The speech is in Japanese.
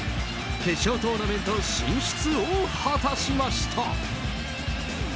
決勝トーナメント進出を果たしました。